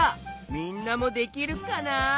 みんなもできるかな？